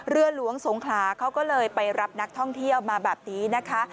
เรือหลวงสงขลาเขาก็เลยไปรับนักท่องเที่ยวมาแบบนี้นะคะ